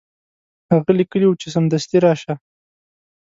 هغه لیکلي وو چې سمدستي راشه.